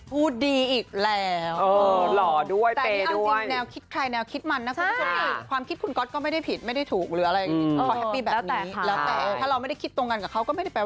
พูดดีอีกแล้ว